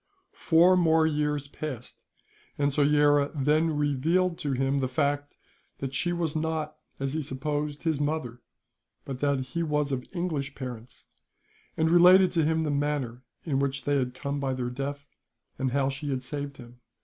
Four more years passed, and Soyera then revealed to him the fact that she was not, as he supposed, his mother, but that he was of English parents; and related to him the manner in which they had come by their death, and how she had saved him.